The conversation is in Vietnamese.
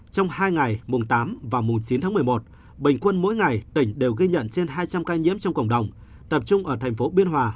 trong hai ngày mùng tám và mùng chín tháng một mươi một bình quân mỗi ngày tỉnh đều ghi nhận trên hai trăm linh ca nhiễm trong cộng đồng tập trung ở thành phố biên hòa